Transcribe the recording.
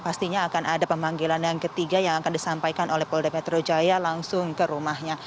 pastinya akan ada pemanggilan yang ketiga yang akan disampaikan oleh polda metro jaya langsung ke rumahnya